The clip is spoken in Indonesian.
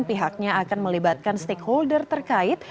pihaknya akan melibatkan stakeholder terkait